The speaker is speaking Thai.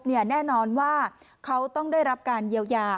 แน่นอนว่าเขาต้องได้รับการเยียวยา